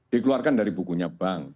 dikeluarkan dari bukunya bank